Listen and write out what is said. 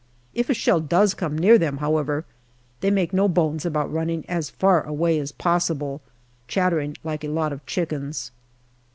If a shell does come near them, however, they make no bones about running as far away as possible, chattering like a lot of chickens.